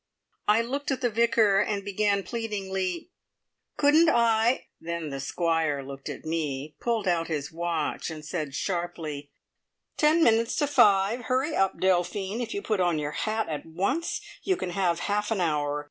I looked at the Vicar, and began pleadingly, "Couldn't I "; then the Squire looked at me, pulled out his watch, and said sharply: "Ten minutes to five. Hurry up, Delphine! If you put on your hat at once you can have half an hour.